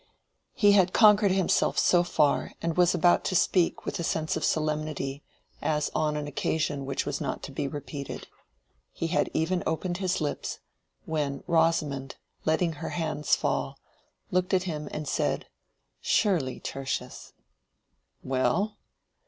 He had conquered himself so far, and was about to speak with a sense of solemnity, as on an occasion which was not to be repeated. He had even opened his lips, when Rosamond, letting her hands fall, looked at him and said— "Surely, Tertius—" "Well?"